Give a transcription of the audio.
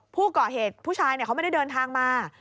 ผู้ก่อเหตุผู้ชายเขาไม่ได้เดินทางมา